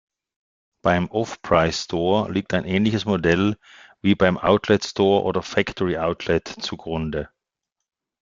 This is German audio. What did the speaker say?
Beim Off-Price-Store liegt ein ähnliches Modell wie beim Outlet-Store oder Factory Outlet zugrunde.